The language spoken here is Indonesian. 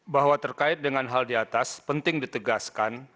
bahwa terkait dengan hal di atas penting ditegaskan